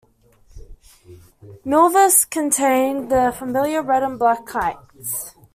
"Milvus" contained the familiar red and black kites.